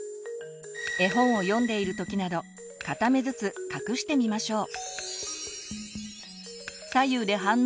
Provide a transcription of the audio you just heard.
絵本を読んでいる時など片目ずつ隠してみましょう。